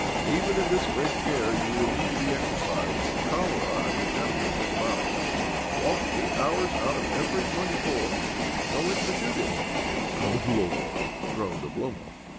Even in this great care will need to be exercised, for cholera, I may tell you, is about. Walk eight hours out of every twenty four ; go in for shootin'g." " Good Lord !" groaned Oblomov.